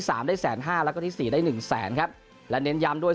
ได้แสนห้าแล้วก็ที่สี่ได้หนึ่งแสนครับและเน้นย้ำด้วย